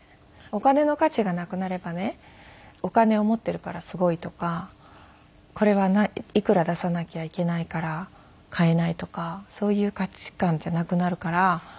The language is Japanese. お金の価値がなくなればねお金を持っているからすごいとかこれはいくら出さなきゃいけないから買えないとかそういう価値観じゃなくなるから。